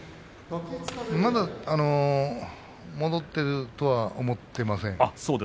まだ戻っているとは思っていません。